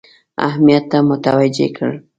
اهمیت ته متوجه کړل.